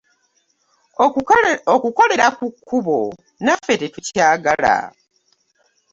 Okukolera ku kkubo naffe tetukyagala.